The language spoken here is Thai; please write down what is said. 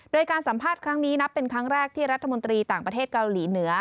โดยการสัมภาษณ์ครั้งนี้นับเป็นครั้งแรกที่รัฐมนตรีต่างประเทศเกาหลีเหนือ